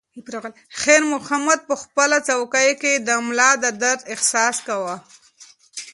خیر محمد په خپله چوکۍ کې د ملا د درد احساس کاوه.